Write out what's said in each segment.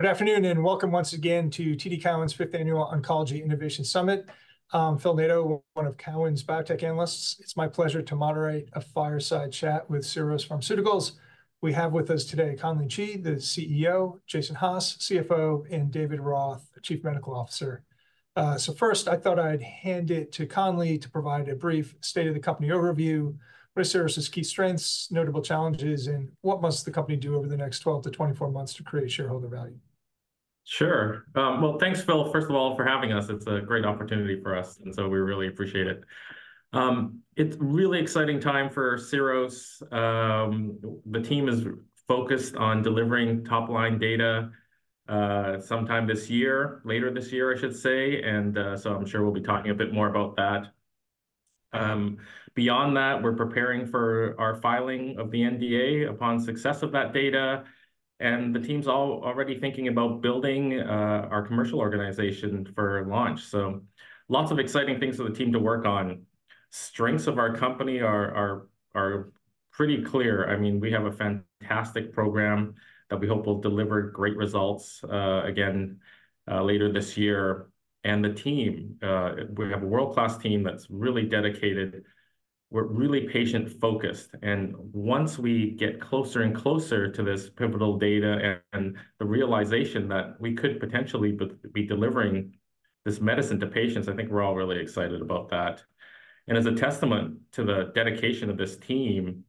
Good afternoon, and welcome once again to TD Cowen's fifth annual Oncology Innovation Summit. I'm Phil Nadeau, one of Cowen's biotech analysts. It's my pleasure to moderate a fireside chat with Syros Pharmaceuticals. We have with us today, Conley Chee, the CEO; Jason Haas, CFO; and David Roth, the Chief Medical Officer. So first, I thought I'd hand it to Conley to provide a brief state of the company overview, what are Syros's key strengths, notable challenges, and what must the company do over the next 12 to 24 months to create shareholder value? Sure. Well, thanks, Phil, first of all, for having us. It's a great opportunity for us, and so we really appreciate it. It's a really exciting time for Syros. The team is focused on delivering top-line data sometime this year, later this year, I should say, and so I'm sure we'll be talking a bit more about that. Beyond that, we're preparing for our filing of the NDA upon success of that data, and the team's already thinking about building our commercial organization for launch. So lots of exciting things for the team to work on. Strengths of our company are pretty clear. I mean, we have a fantastic program that we hope will deliver great results again later this year. And the team, we have a world-class team that's really dedicated. We're really patient-focused, and once we get closer and closer to this pivotal data and the realization that we could potentially be delivering this medicine to patients, I think we're all really excited about that. And as a testament to the dedication of this team,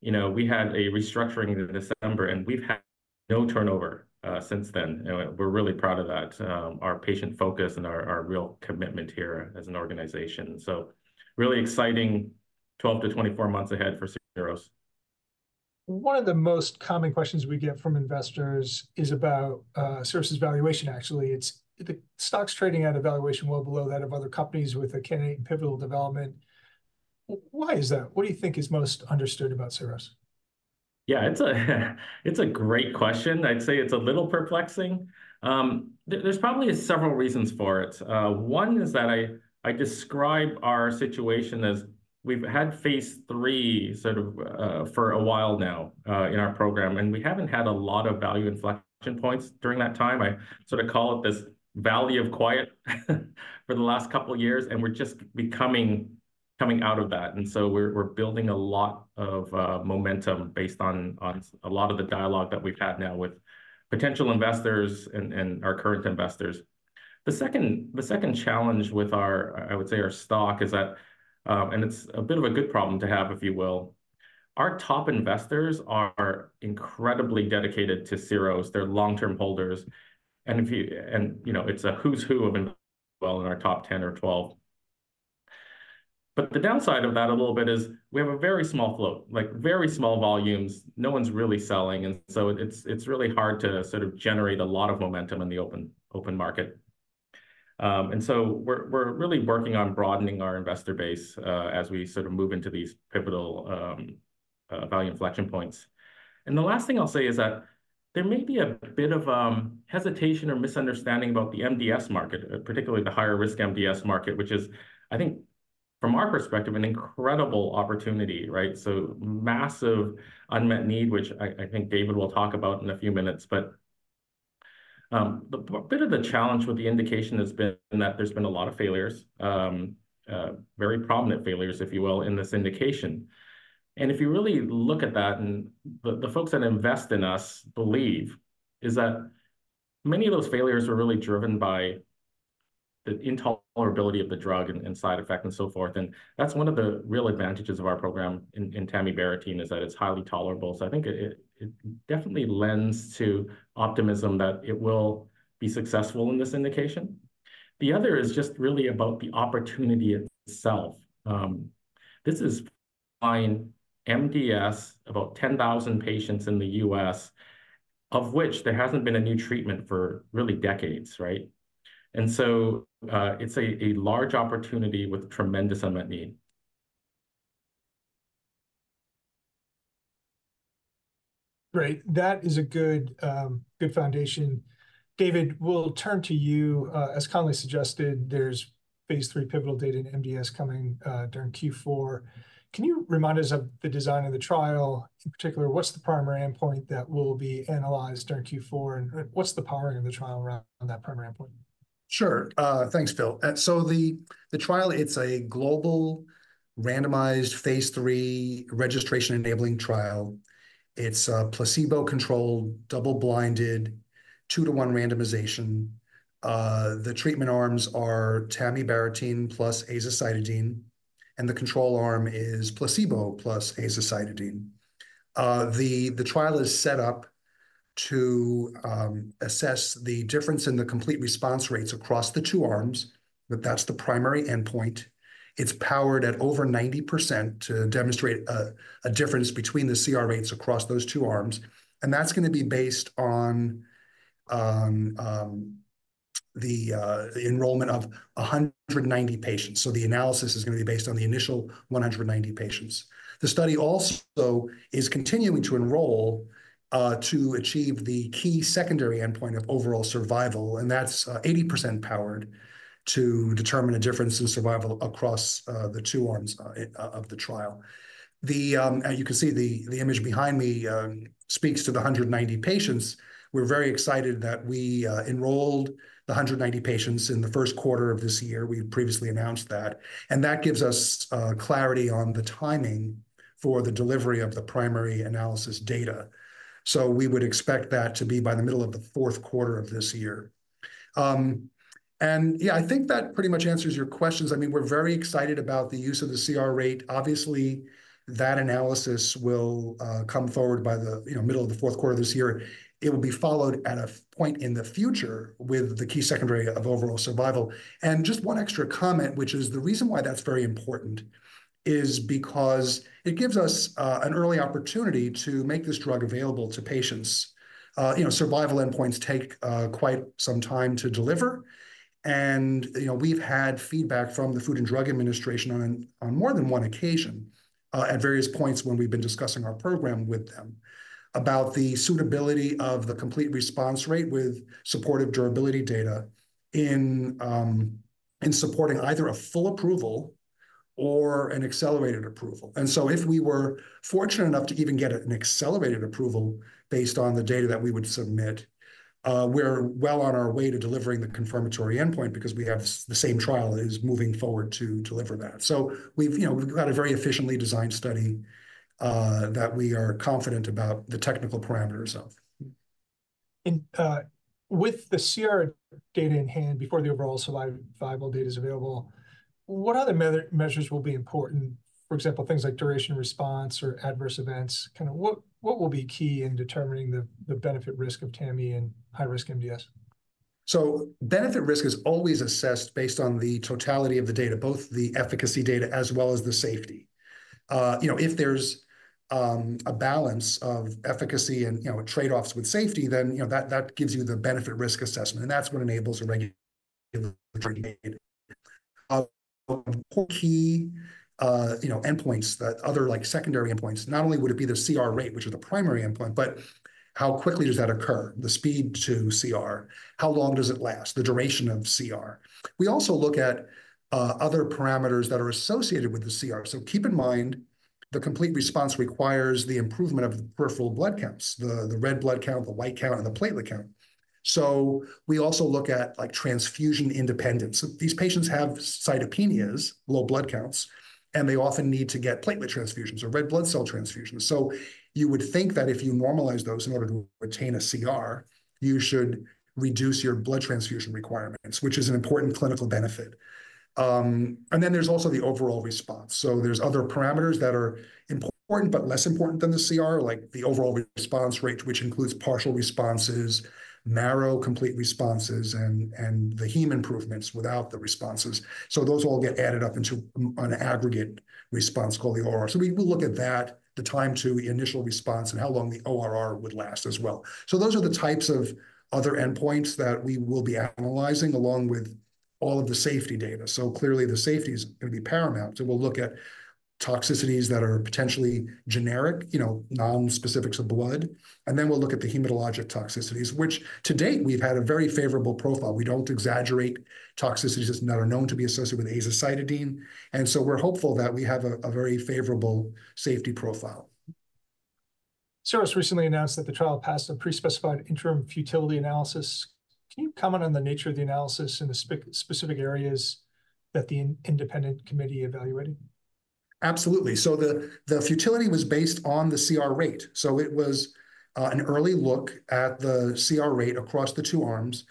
you know, we had a restructuring in December, and we've had no turnover since then. And we're really proud of that, our patient focus and our real commitment here as an organization. So really exciting 12-24 months ahead for Syros. One of the most common questions we get from investors is about Syros's valuation, actually. It's... The stock's trading at a valuation well below that of other companies with a candidate in pivotal development. Why is that? What do you think is most misunderstood about Syros? Yeah, it's a great question. I'd say it's a little perplexing. There's probably several reasons for it. One is that I describe our situation as we've had Phase III sort of for a while now in our program, and we haven't had a lot of value inflection points during that time. I sort of call it this valley of quiet for the last couple of years, and we're just coming out of that. And so we're building a lot of momentum based on a lot of the dialogue that we've had now with potential investors and our current investors. The second challenge with our, I would say, our stock is that, and it's a bit of a good problem to have, if you will, our top investors are incredibly dedicated to Syros. They're long-term holders, and, you know, it's a who's who of investors, well, in our top 10 or 12. But the downside of that a little bit is, we have a very small float, like very small volumes. No one's really selling, and so it's really hard to sort of generate a lot of momentum in the open market. And so we're really working on broadening our investor base, as we sort of move into these pivotal value inflection points. And the last thing I'll say is that there may be a bit of hesitation or misunderstanding about the MDS market, particularly the higher-risk MDS market, which is, I think, from our perspective, an incredible opportunity, right? So massive unmet need, which I think David will talk about in a few minutes. A bit of the challenge with the indication has been that there's been a lot of failures, very prominent failures, if you will, in this indication. If you really look at that, the folks that invest in us believe is that many of those failures were really driven by the intolerability of the drug and side effect, and so forth. That's one of the real advantages of our program in tamibarotene, is that it's highly tolerable. I think it definitely lends to optimism that it will be successful in this indication. The other is just really about the opportunity itself. This is in MDS, about 10,000 patients in the US, of which there hasn't been a new treatment for really decades, right? It's a large opportunity with tremendous unmet need. Great. That is a good, good foundation. David, we'll turn to you. As Conley suggested, there's Phase III pivotal data in MDS coming during Q4. Can you remind us of the design of the trial? In particular, what's the primary endpoint that will be analyzed during Q4, and what's the powering of the trial around that primary endpoint? Sure. Thanks, Phil. So the trial, it's a global randomized Phase III registration-enabling trial. It's a placebo-controlled, double-blinded, 2-to-1 randomization. The treatment arms are tamibarotene plus azacitidine, and the control arm is placebo plus azacitidine. The trial is set up to assess the difference in the complete response rates across the two arms, but that's the primary endpoint. It's powered at over 90% to demonstrate a difference between the CR rates across those two arms, and that's gonna be based on the enrollment of 190 patients, so the analysis is gonna be based on the initial 190 patients. The study also is continuing to enroll to achieve the key secondary endpoint of overall survival, and that's 80% powered to determine a difference in survival across the two arms of the trial. As you can see, the image behind me speaks to the 190 patients. We're very excited that we enrolled the 190 patients in the first quarter of this year. We had previously announced that, and that gives us clarity on the timing for the delivery of the primary analysis data. So we would expect that to be by the middle of the fourth quarter of this year. And yeah, I think that pretty much answers your questions. I mean, we're very excited about the use of the CR rate. Obviously, that analysis will come forward by the, you know, middle of the fourth quarter of this year. It will be followed at a point in the future with the key secondary of overall survival. And just one extra comment, which is the reason why that's very important, is because it gives us an early opportunity to make this drug available to patients. You know, survival endpoints take quite some time to deliver, and, you know, we've had feedback from the Food and Drug Administration on more than one occasion, at various points when we've been discussing our program with them, about the suitability of the complete response rate with supportive durability data in, in supporting either a full approval or an accelerated approval. If we were fortunate enough to even get an accelerated approval based on the data that we would submit, we're well on our way to delivering the confirmatory endpoint because we have the same trial is moving forward to deliver that. So we've, you know, we've got a very efficiently designed study that we are confident about the technical parameters of. With the CR data in hand before the overall survival data is available, what other measures will be important? For example, things like duration response or adverse events, kind of what will be key in determining the benefit risk of tamibarotene in high-risk MDS? So benefit-risk is always assessed based on the totality of the data, both the efficacy data as well as the safety. You know, if there's a balance of efficacy and, you know, trade-offs with safety, then, you know, that gives you the benefit-risk assessment, and that's what enables a regulatory OK, you know, endpoints, that other, like, secondary endpoints. Not only would it be the CR rate, which are the primary endpoint, but how quickly does that occur, the speed to CR? How long does it last, the duration of CR? We also look at other parameters that are associated with the CR. So keep in mind, the complete response requires the improvement of peripheral blood counts, the red blood count, the white count, and the platelet count. So we also look at, like, transfusion independence. These patients have cytopenias, low blood counts, and they often need to get platelet transfusions or red blood cell transfusions. So you would think that if you normalize those in order to attain a CR, you should reduce your blood transfusion requirements, which is an important clinical benefit. And then there's also the overall response. So there's other parameters that are important but less important than the CR, like the overall response rate, which includes partial responses, marrow complete responses, and the heme improvements without the responses. So those all get added up into an aggregate response called the OR. So we will look at that, the time to the initial response, and how long the ORR would last as well. So those are the types of other endpoints that we will be analyzing, along with all of the safety data. So clearly, the safety is gonna be paramount, and we'll look at toxicities that are potentially generic, you know, non-specifics, non-blood, and then we'll look at the hematologic toxicities, which to date, we've had a very favorable profile. We don't exaggerate toxicities that are known to be associated with azacitidine, and so we're hopeful that we have a very favorable safety profile. Syros recently announced that the trial passed a pre-specified interim futility analysis. Can you comment on the nature of the analysis and the specific areas that the independent committee evaluated? Absolutely. So the futility was based on the CR rate, so it was an early look at the CR rate across the two arms.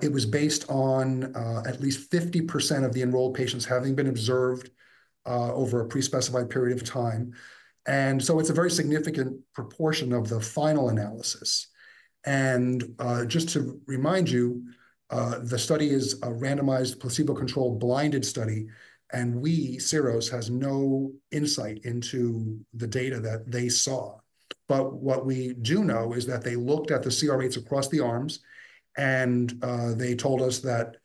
It was based on at least 50% of the enrolled patients having been observed over a pre-specified period of time, and so it's a very significant proportion of the final analysis. And just to remind you, the study is a randomized, placebo-controlled, blinded study, and we, Syros, has no insight into the data that they saw. But what we do know is that they looked at the CR rates across the arms, and they told us that,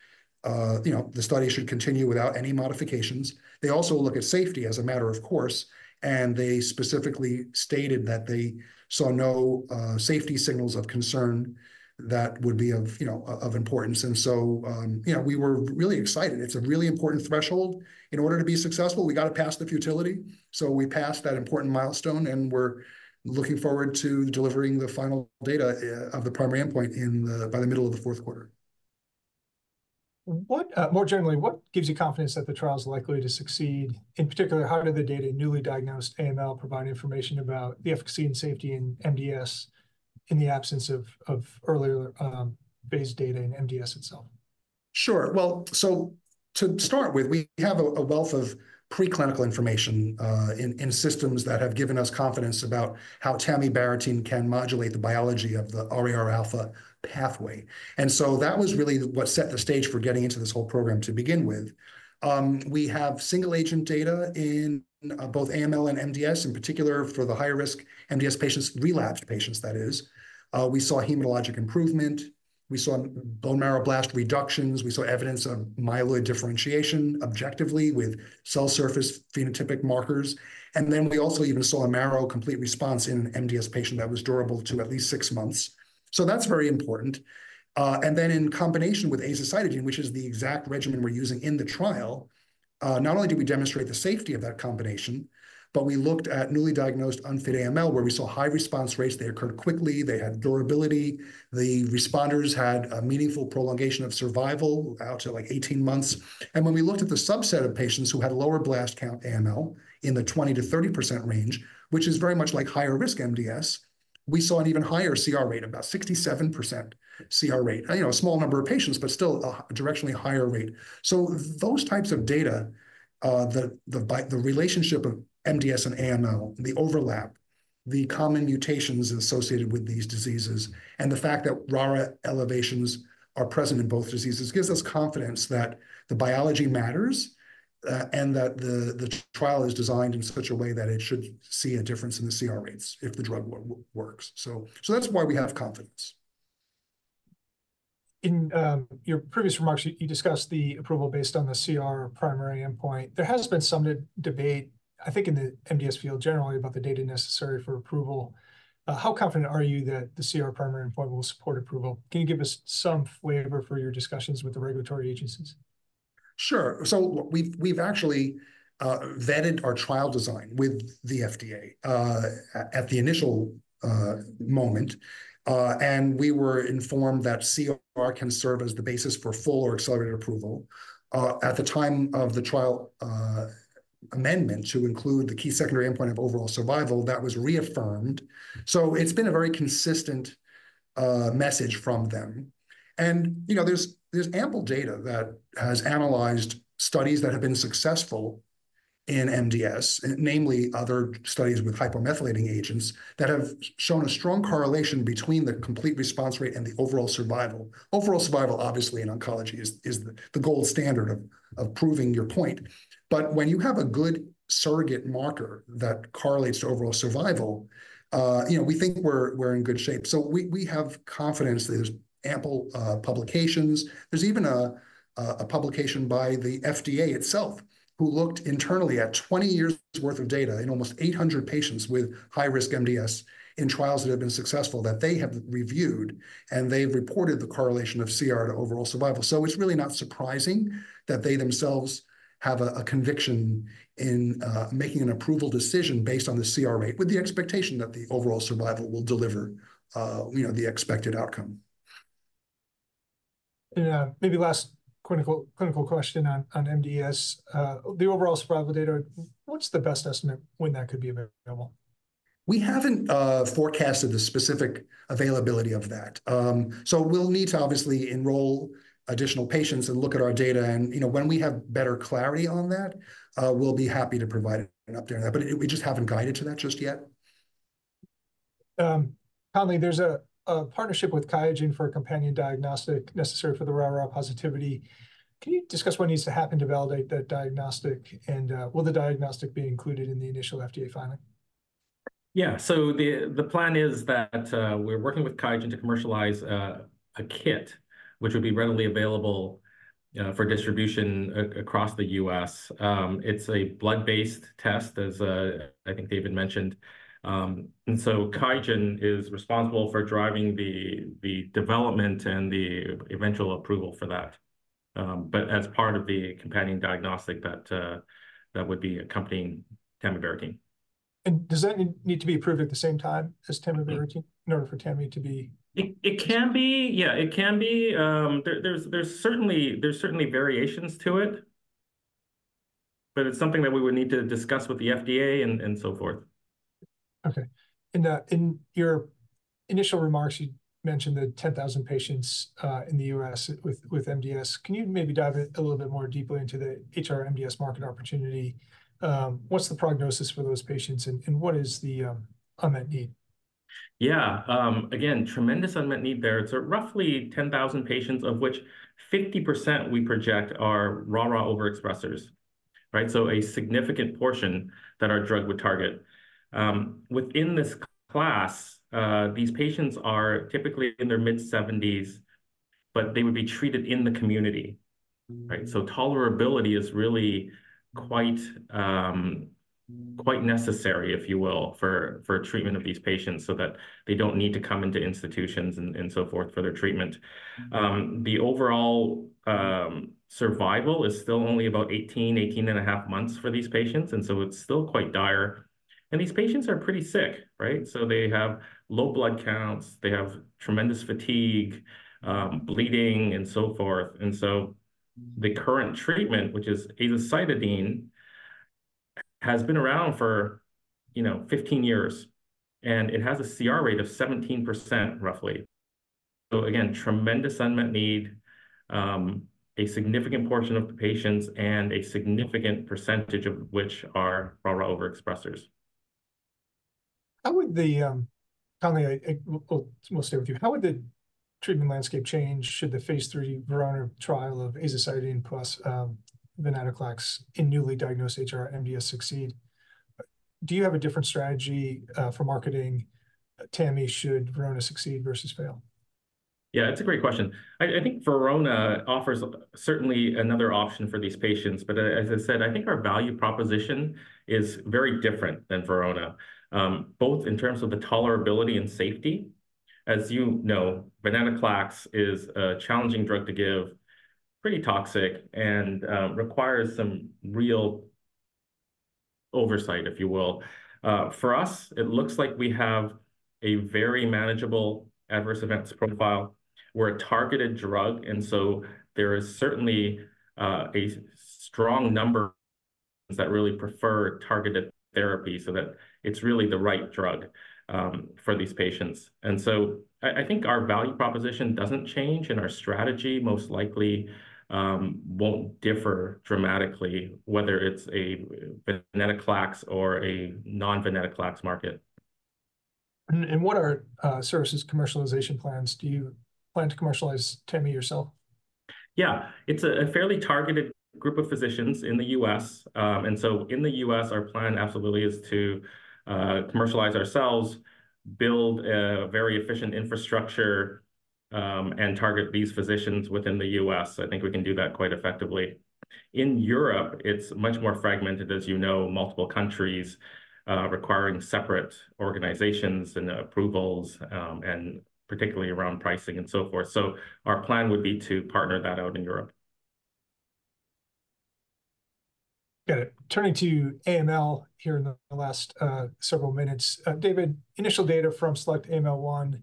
you know, the study should continue without any modifications. They also look at safety as a matter of course, and they specifically stated that they saw no safety signals of concern that would be of, you know, of importance. And so, you know, we were really excited. It's a really important threshold. In order to be successful, we got to pass the futility, so we passed that important milestone, and we're looking forward to delivering the final data of the primary endpoint in the, by the middle of the fourth quarter. What, more generally, what gives you confidence that the trial is likely to succeed? In particular, how do the data in newly diagnosed AML provide information about the efficacy and safety in MDS in the absence of earlier base data in MDS itself? Sure. Well, so to start with, we have a wealth of preclinical information in systems that have given us confidence about how tamibarotene can modulate the biology of the RAR alpha pathway. And so that was really what set the stage for getting into this whole program to begin with. We have single-agent data in both AML and MDS, in particular for the high-risk MDS patients, relapsed patients, that is. We saw bone marrow blast reductions, we saw evidence of myeloid differentiation objectively with cell surface phenotypic markers, and then we also even saw a marrow complete response in an MDS patient that was durable to at least six months. So that's very important. And then in combination with azacitidine, which is the exact regimen we're using in the trial, not only did we demonstrate the safety of that combination, but we looked at newly diagnosed unfit AML, where we saw high response rates. They occurred quickly, they had durability. The responders had a meaningful prolongation of survival out to, like, 18 months. And when we looked at the subset of patients who had lower blast count AML in the 20-30% range, which is very much like higher risk MDS, we saw an even higher CR rate, about 67% CR rate. You know, a small number of patients, but still a directionally higher rate. So those types of data, the relationship of MDS and AML, the overlap, the common mutations associated with these diseases, and the fact that RARA elevations are present in both diseases, gives us confidence that the biology matters, and that the trial is designed in such a way that it should see a difference in the CR rates if the drug works. So that's why we have confidence. In your previous remarks, you discussed the approval based on the CR primary endpoint. There has been some debate, I think, in the MDS field generally, about the data necessary for approval. How confident are you that the CR primary endpoint will support approval? Can you give us some flavor for your discussions with the regulatory agencies? Sure. So we've actually vetted our trial design with the FDA at the initial moment, and we were informed that CR can serve as the basis for full or accelerated approval. At the time of the trial amendment to include the key secondary endpoint of overall survival, that was reaffirmed, so it's been a very consistent message from them. And, you know, there's ample data that has analyzed studies that have been successful in MDS, namely other studies with hypomethylating agents, that have shown a strong correlation between the complete response rate and the overall survival. Overall survival, obviously, in oncology, is the gold standard of proving your point. But when you have a good surrogate marker that correlates to overall survival, you know, we think we're in good shape. So we have confidence. There's ample publications. There's even a publication by the FDA itself, who looked internally at 20 years' worth of data in almost 800 patients with high-risk MDS in trials that have been successful that they have reviewed, and they've reported the correlation of CR to overall survival. So it's really not surprising that they themselves have a conviction in making an approval decision based on the CR rate, with the expectation that the overall survival will deliver, you know, the expected outcome. Yeah, maybe last clinical question on MDS. The overall survival data, what's the best estimate when that could be available? We haven't forecasted the specific availability of that. So we'll need to obviously enroll additional patients and look at our data, and, you know, when we have better clarity on that, we'll be happy to provide an update on that. But it... We just haven't guided to that just yet. Conley, there's a partnership with QIAGEN for a companion diagnostic necessary for the RARA positivity. Can you discuss what needs to happen to validate that diagnostic, and will the diagnostic be included in the initial FDA filing? Yeah, so the plan is that we're working with QIAGEN to commercialize a kit which would be readily available for distribution across the US. It's a blood-based test, as I think David mentioned. And so QIAGEN is responsible for driving the development and the eventual approval for that. But as part of the companion diagnostic, that would be accompanying tamibarotene. And does that need to be approved at the same time as tamibarotene in order for tamibarotene to be- It can be, yeah, it can be. There's certainly variations to it, but it's something that we would need to discuss with the FDA and so forth. Okay. In your initial remarks, you mentioned that 10,000 patients in the US with MDS. Can you maybe dive in a little bit more deeply into the HR-MDS market opportunity? What's the prognosis for those patients, and what is the unmet need? Yeah, again, tremendous unmet need there. It's roughly 10,000 patients, of which 50% we project are RARA overexpressers, right? So a significant portion that our drug would target. Within this class, these patients are typically in their mid-70s, but they would be treated in the community, right? So tolerability is really quite, quite necessary, if you will, for, for treatment of these patients so that they don't need to come into institutions and, and so forth for their treatment. The overall, survival is still only about 18-18.5 months for these patients, and so it's still quite dire. And these patients are pretty sick, right? So they have low blood counts, they have tremendous fatigue, bleeding, and so forth. And so the current treatment, which is azacitidine, has been around for, you know, 15 years, and it has a CR rate of 17%, roughly. So again, tremendous unmet need, a significant portion of the patients and a significant percentage of which are RARA overexpressers. Conley, we'll stay with you. How would the treatment landscape change, should the Phase III VERONA trial of azacitidine plus venetoclax in newly diagnosed HR-MDS succeed? Do you have a different strategy for marketing Tami should VERONA succeed versus fail? Yeah, it's a great question. I, I think VERONA offers certainly another option for these patients, but, as I said, I think our value proposition is very different than VERONA. Both in terms of the tolerability and safety. As you know, venetoclax is a challenging drug to give, pretty toxic, and, requires some real oversight, if you will. For us, it looks like we have a very manageable adverse events profile. We're a targeted drug, and so there is certainly, a strong number that really prefer targeted therapy, so that it's really the right drug, for these patients. And so I, I think our value proposition doesn't change, and our strategy most likely, won't differ dramatically, whether it's a venetoclax or a non-venetoclax market. What are Syros's commercialization plans? Do you plan to commercialize Tami yourself? Yeah. It's a fairly targeted group of physicians in the U.S. And so in the U.S., our plan absolutely is to commercialize ourselves, build a very efficient infrastructure, and target these physicians within the U.S. I think we can do that quite effectively. In Europe, it's much more fragmented, as you know, multiple countries requiring separate organizations and approvals, and particularly around pricing and so forth. So our plan would be to partner that out in Europe. Got it. Turning to AML here in the last several minutes. David, initial data from SELECT-AML-1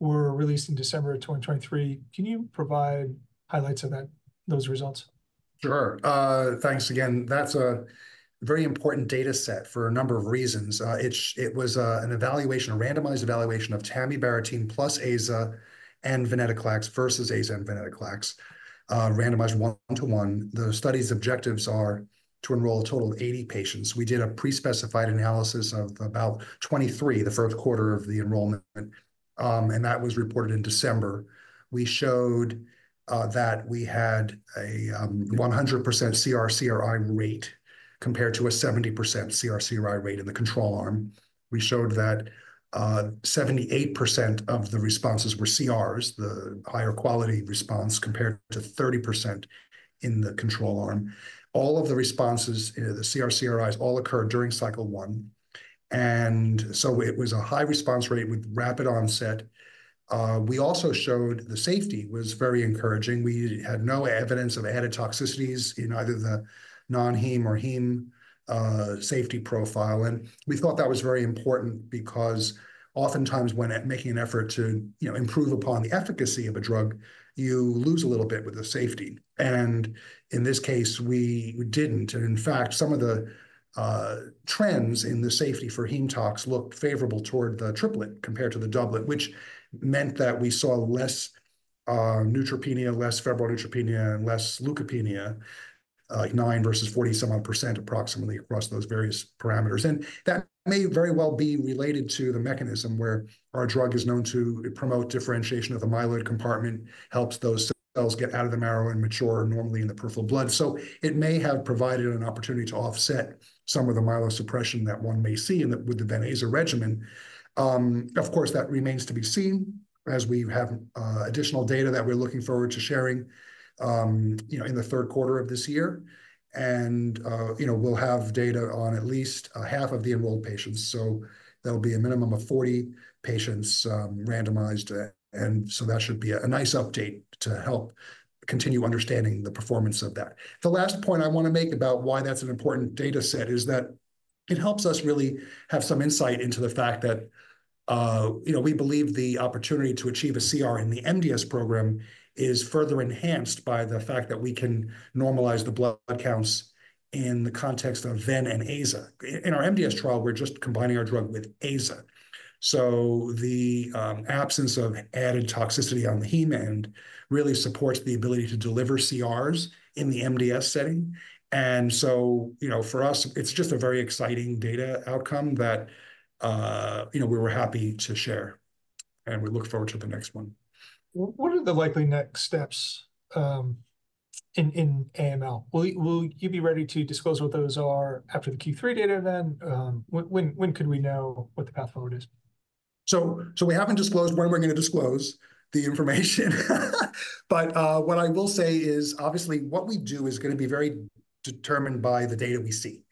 were released in December 2023. Can you provide highlights of that, those results? Sure. Thanks again. That's a very important data set for a number of reasons. It was an evaluation, a randomized evaluation of tamibarotene plus Aza and venetoclax versus Aza and venetoclax, randomized one-to-one. The study's objectives are to enroll a total of 80 patients. We did a pre-specified analysis of about 23, the first quarter of the enrollment, and that was reported in December. We showed that we had a 100% CR/CRi rate, compared to a 70% CR/CRi rate in the control arm. We showed that 78% of the responses were CRs, the higher quality response, compared to 30% in the control arm. All of the responses, you know, the CR/CRis all occurred during cycle one, and so it was a high response rate with rapid onset. We also showed the safety was very encouraging. We had no evidence of added toxicities in either the non-heme or heme safety profile. And we thought that was very important because oftentimes, when making an effort to, you know, improve upon the efficacy of a drug, you lose a little bit with the safety, and in this case, we didn't. And in fact, some of the trends in the safety for heme tox looked favorable toward the triplet compared to the doublet, which meant that we saw less neutropenia, less febrile neutropenia, and less leukopenia, 9 versus 47%, approximately, across those various parameters. And that may very well be related to the mechanism where our drug is known to promote differentiation of the myeloid compartment, helps those cells get out of the marrow and mature normally in the peripheral blood. So it may have provided an opportunity to offset some of the myelosuppression that one may see with the venetoclax regimen. Of course, that remains to be seen, as we have additional data that we're looking forward to sharing, you know, in the third quarter of this year. And you know, we'll have data on at least half of the enrolled patients, so that'll be a minimum of 40 patients randomized. And so that should be a nice update to help continue understanding the performance of that. The last point I wanna make about why that's an important data set is that it helps us really have some insight into the fact that, you know, we believe the opportunity to achieve a CR in the MDS program is further enhanced by the fact that we can normalize the blood counts in the context of Ven and Aza. In our MDS trial, we're just combining our drug with Aza. So the absence of added toxicity on the heme end really supports the ability to deliver CRs in the MDS setting. And so, you know, for us, it's just a very exciting data outcome that, you know, we were happy to share, and we look forward to the next one. What are the likely next steps in AML? Will you be ready to disclose what those are after the Q3 data, then? When could we know what the path forward is? So, we haven't disclosed when we're gonna disclose the information. But, what I will say is, obviously, what we do is gonna be very determined by the data we see.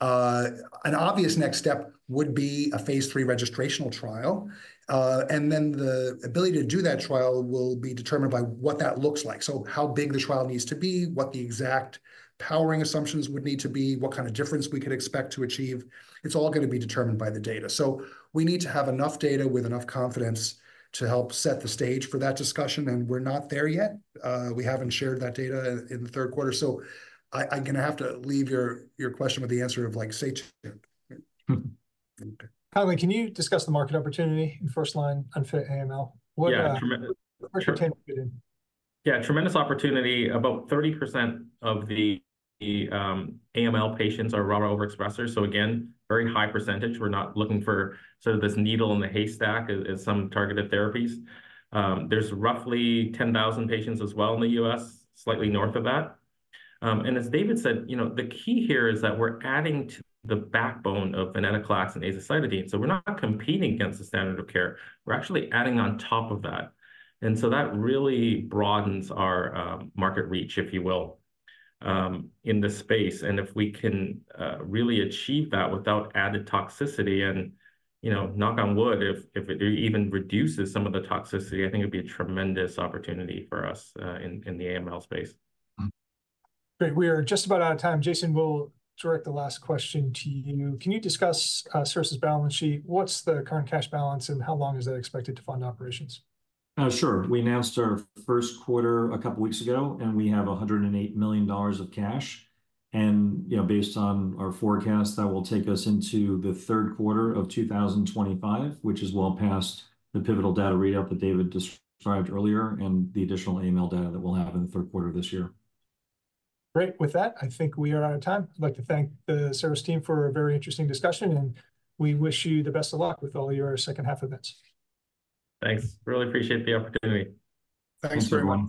An obvious next step would be a Phase III registrational trial. And then the ability to do that trial will be determined by what that looks like. So how big the trial needs to be, what the exact powering assumptions would need to be, what kind of difference we could expect to achieve. It's all gonna be determined by the data. So we need to have enough data with enough confidence to help set the stage for that discussion, and we're not there yet. We haven't shared that data in the third quarter, so I'm gonna have to leave your question with the answer of, like, stay tuned. Okay. Conley, can you discuss the market opportunity in first line unfit AML? Yeah, tremendous- What?... Yeah, tremendous opportunity. About 30% of the AML patients are RARA overexpressers. So again, very high percentage. We're not looking for sort of this needle in the haystack as some targeted therapies. There's roughly 10,000 patients as well in the US, slightly north of that. And as David said, you know, the key here is that we're adding to the backbone of venetoclax and azacitidine, so we're not competing against the standard of care. We're actually adding on top of that. And so that really broadens our market reach, if you will, in the space. And if we can really achieve that without added toxicity and, you know, knock on wood, if it even reduces some of the toxicity, I think it'd be a tremendous opportunity for us in the AML space. Great. We are just about out of time. Jason, we'll direct the last question to you. Can you discuss Syros's balance sheet? What's the current cash balance, and how long is that expected to fund operations? Sure. We announced our first quarter a couple weeks ago, and we have $108 million of cash. You know, based on our forecast, that will take us into the third quarter of 2025, which is well past the pivotal data readout that David described earlier, and the additional AML data that we'll have in the third quarter of this year. Great. With that, I think we are out of time. I'd like to thank the Syros team for a very interesting discussion, and we wish you the best of luck with all your second-half events. Thanks. Really appreciate the opportunity. Thanks very much.